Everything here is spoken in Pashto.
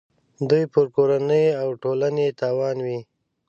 دوی پر کورنۍ او ټولنې تاوان وي.